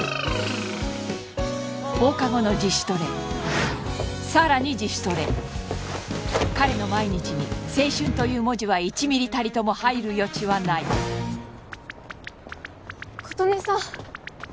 放課後の自主トレさらに自主トレ彼の毎日に青春という文字は１ミリたりとも入る余地はない琴音さん